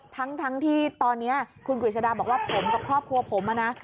ทั้งที่ตอนนี้คุณกฤษฎาบอกว่าผมกับครอบครัวผมนะ